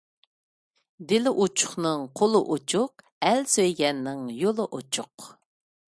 دىلى ئوچۇقنىڭ قولى ئوچۇق، ئەل سۆيگەننىڭ يولى ئوچۇق.